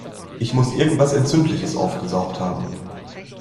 Ich muss irgendwas Entzündliches aufgesaugt haben.